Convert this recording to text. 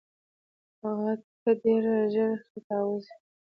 ته ډېر ژر ختاوزې !